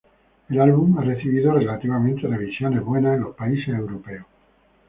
El álbum ha recibido relativamente revisiones buenas en los países europeos.